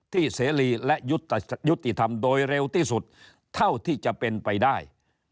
เสรีและยุติธรรมโดยเร็วที่สุดเท่าที่จะเป็นไปได้